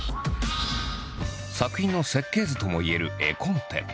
作品の設計図ともいえる絵コンテ。